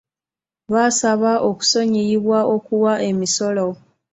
Baasaba okusonyiyibwa okuwa emisolo.